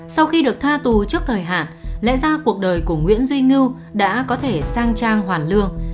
sau khi được tha tù trước thời hạn lẽ ra cuộc đời của nguyễn duy ngưu đã có thể sang trang hoàn lương